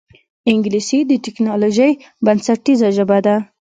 انګلیسي د ټکنالوجۍ بنسټیزه ژبه ده